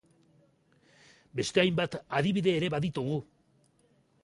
Beste hainbat adibide ere baditugu!